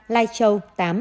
lai châu tám